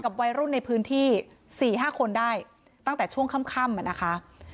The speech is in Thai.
วัยรุ่นในพื้นที่สี่ห้าคนได้ตั้งแต่ช่วงค่ำอ่ะนะคะ